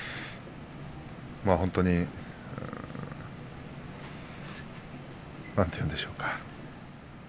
本当に、なんて言うんでしょうか。